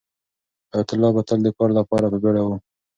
حیات الله به تل د کار لپاره په بیړه و.